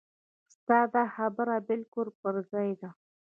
ستا دا خبره بالکل پر ځای ده.